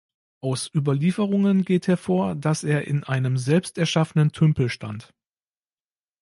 Aus Überlieferungen geht hervor, dass er in einem selbst erschaffenen Tümpel stand.